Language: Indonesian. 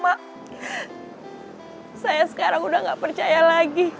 mak saya sekarang udah gak percaya lagi